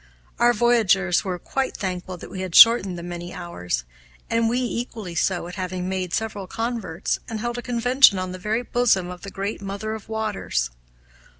Our voyagers were quite thankful that we had shortened the many hours, and we equally so at having made several converts and held a convention on the very bosom of the great "Mother of Waters."